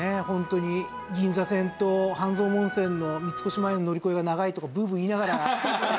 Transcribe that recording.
ホントに銀座線と半蔵門線の三越前の乗り換えが長いとかブーブー言いながら。